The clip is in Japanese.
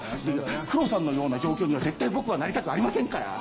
黒さんのような状況には絶対僕はなりたくありませんから！